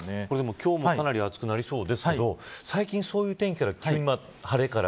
今日もかなり暑くなりそうですけど最近、そういう天気が。